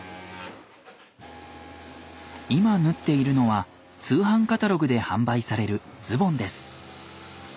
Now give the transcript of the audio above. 今縫っているのは通販カタログで販売されるズボンです。